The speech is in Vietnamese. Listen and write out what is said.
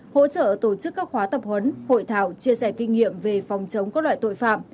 hỗ trợ tổ chức các khóa tập huấn hội thảo chia sẻ kinh nghiệm về phòng chống các loại tội phạm